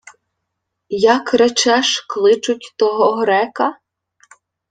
— Як, речеш, кличуть того грека?